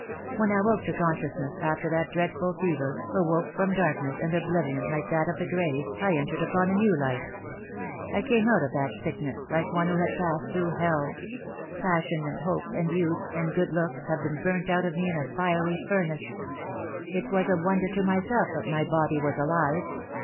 When I woke to con sciousness after that dreadful fever, awoke from darkness and oblivion like that of the grave, I entered upon a new life. I came out of that sickness like one who had passed through hell. Passion and hope and youth, and good looks, had been burnt out of me in a fiery furnace. It THE DAY WILL COME. 39 was a wonder to myself that my body was alive.